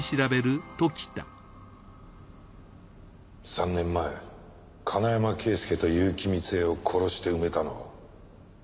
３年前金山圭介と結城美津江を殺して埋めたのは。